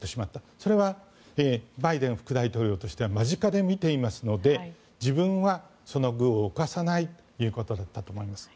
それはバイデン副大統領としては間近で見ていますので自分はその愚を犯さないということだったと思います。